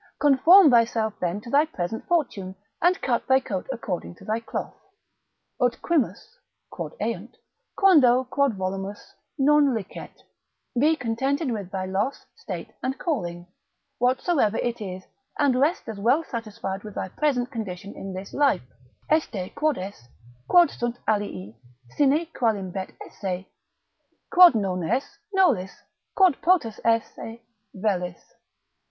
Conform thyself then to thy present fortune, and cut thy coat according to thy cloth, Ut quimus (quod aiunt) quando quod volumus non licet, Be contented with thy loss, state, and calling, whatsoever it is, and rest as well satisfied with thy present condition in this life: Este quod es; quod sunt alii, sine quamlibet esse; Quod non es, nolis; quod potus esse, velis.